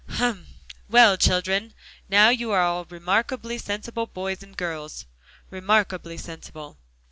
"Hum! well, children, now you are all remarkably sensible boys and girls. Remarkably sensible.